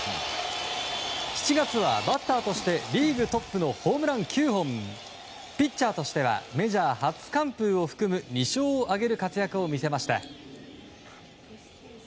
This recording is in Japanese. ７月はバッターとしてリーグトップのホームラン９本ピッチャーとしてはメジャー初完封を含む２勝を挙げる活躍を見せました。